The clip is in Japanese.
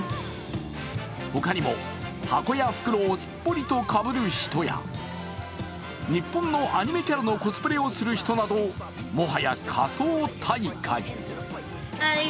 他にも箱や袋をすっぽりとかぶる人や日本のアニメキャラのコスプレをする人などもはや仮装大会。